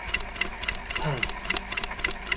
嘆⋯⋯